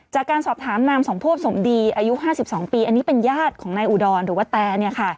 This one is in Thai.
จากการสอบถามนางสมโพธิสมดีอายุ๕๒ปีอันนี้เป็นญาติของนายอุดรหรือว่าแต